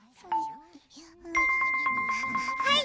はい！